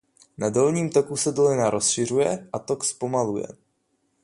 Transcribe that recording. Na dolním toku se dolina rozšiřuje a tok zpomaluje.